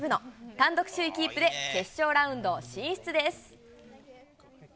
単独首位キープで、決勝ラウンド進出です。